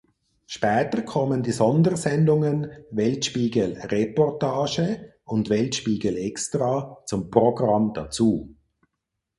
Später kommen die Sondersendungen "Weltspiegel Reportage" und "Weltspiegel extra" zum Programm dazu.